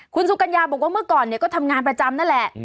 คุณสุกัญญาบอกว่าเมื่อก่อนก็ทำงานประจำนั่นแหละ